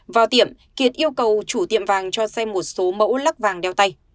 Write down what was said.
vào tiệm kiệt yêu cầu chủ tiệm vàng cho xem một số mẫu lắc vàng đeo tay